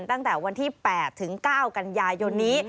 ตั้งแต่วันที่๘ถึง๙กันยายนนี้